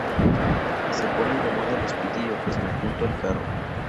se ponen de moda los pitillo pues me apunto al carro